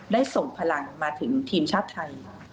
ส่งพลังมาถึงทีมชาติไทย